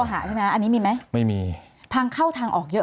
มีความรู้สึกว่ามีความรู้สึกว่ามีความรู้สึกว่า